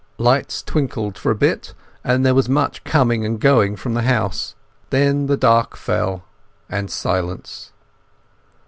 Lights twinkled for a bit and there was much coming and going from the house. Then the dark fell, and silence.